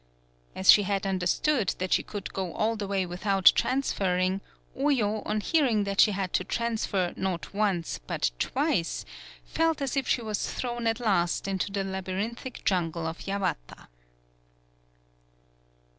As she had understood that she could go all the way without transfering, Oyo, on hearing that she had to transfer not once but twice, felt as if she was thrown at last into the labyrinthine jungle of Yawata.